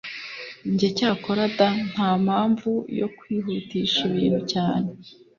njye cyakora da, ntamamvu yo kwihutisha ibintu cyane